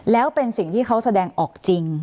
แล้วเป็นสิ่งที่เขาแสดงออกจริง